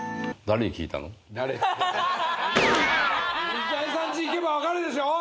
水谷さんち行けば分かるでしょ。